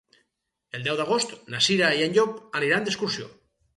El deu d'agost na Cira i en Llop aniran d'excursió.